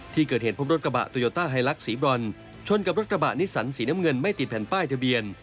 ที่เกิดเห็นพบรถกระบะสีบรอนชนกับรถกระบะนิสสันสีน้ำเงินไม่ติดแผ่นป้ายทะเบียน